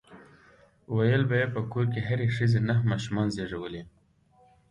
ويل به يې په کور کې هرې ښځې نهه ماشومان زيږولي.